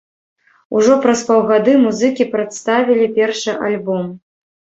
Ужо праз паўгады музыкі прадставілі першы альбом.